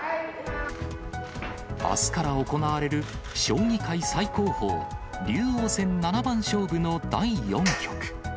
あすから行われる、将棋界最高峰、竜王戦七番勝負の第４局。